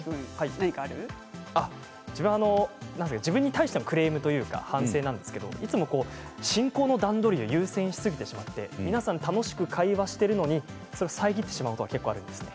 自分は自分に対してのクレームというか反省なんですけどいつも進行の段取りを優先しすぎてしまって皆さん楽しく会話しているのにそれを遮ってしまうことが結構あるんですね